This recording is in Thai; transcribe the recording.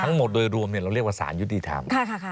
ทั้งหมดโดยรวมเราเรียกว่าสารยุติธรรม